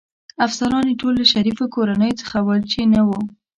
افسران يې ټول له شریفو کورنیو څخه ول، چې نه و.